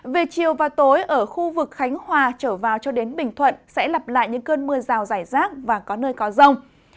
về chiều và tối ở khu vực khánh hòa trở vào cho đến bình thuận sẽ lặp lại những cơn mưa rào rải rác và có nơi có rông